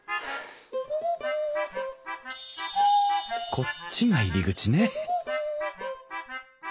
こっちが入り口ね